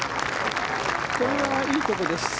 これはいいところです。